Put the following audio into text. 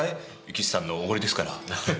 岸さんのおごりですから。